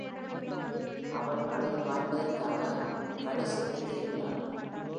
அவள் பழுதுபார்ர்பதற்காக காடிஸுக்குத் திரும்பினாள்.